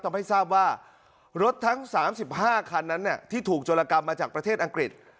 ต้องให้ทราบว่ารถทั้งสามสิบห้าคันนั้นอ่ะที่ถูกโจรกรรมมาจากประเทศอังกฤษ